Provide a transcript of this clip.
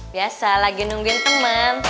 biasa lagi nungguin temen